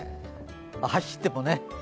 走ってもね。